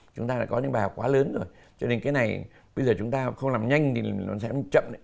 chúng ta đã có những bài học quá lớn rồi cho nên cái này bây giờ chúng ta không làm nhanh thì nó sẽ chậm